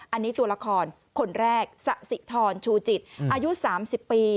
อันนี้ตัวละครคนแรกสะสิทรชูจิตอายุ๓๐ปี